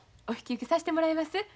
お引き受けさしてもらいます。